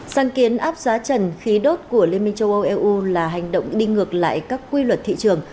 sáng kiến áp giá trần khí đốt của liên minh châu âu eu là hành động đi ngược lại các quy luật thị trường